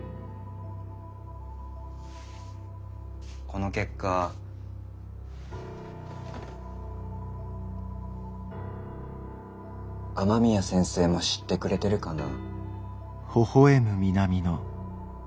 この結果雨宮先生も知ってくれてるかな？